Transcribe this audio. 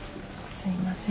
すいません。